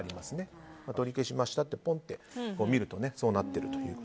取り消しましたってポンって、見るとそうなっているという。